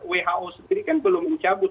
who sendiri kan belum mencabut